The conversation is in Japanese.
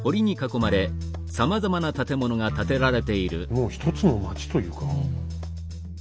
もう一つの町というか。